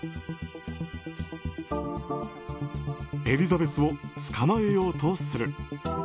エリザベスを捕まえようとする。